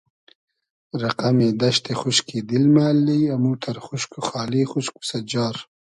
رئقئمی دئشتی خوشکی دیل مۂ اللی اموتئر خوشک و خالی خوشک و سئجار